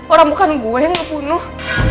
orang bukan gue yang ngebunuh